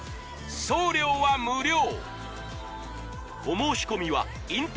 送料は無料！